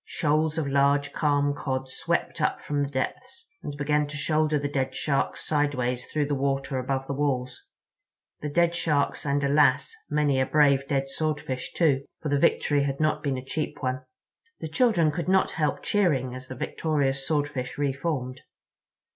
Shoals of large, calm Cod swept up from the depths, and began to shoulder the dead Sharks sideways toward the water above the walls—the dead Sharks and, alas! many a brave, dead Swordfish, too. For the victory had not been a cheap one. The children could not help cheering as the victorious Swordfish re formed.